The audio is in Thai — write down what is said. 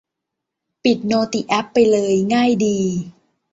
ปิดโนติแอปไปเลย ง่ายดี